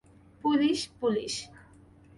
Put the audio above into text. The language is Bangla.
Police, police.